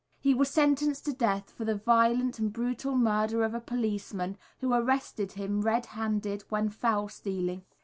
He was sentenced to death for the violent and brutal murder of a policeman, who arrested him red handed when fowl stealing.